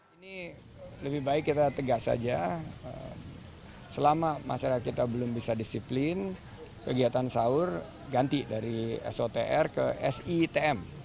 ini lebih baik kita tegas saja selama masyarakat kita belum bisa disiplin kegiatan sahur ganti dari sotr ke sitm